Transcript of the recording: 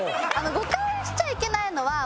誤解しちゃいけないのはもう港区。